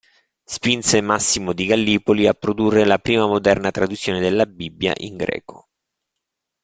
Spinse Massimo di Gallipoli a produrre la prima moderna traduzione della Bibbia in greco.